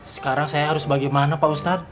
sekarang saya harus bagaimana pak ustadz